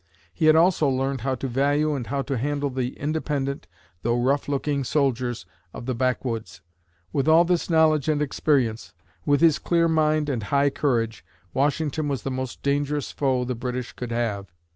He had also learned how to value and how to handle the independent, though rough looking, soldiers of the backwoods. With all this knowledge and experience, with his clear mind and high courage, Washington was the most dangerous foe the British could have.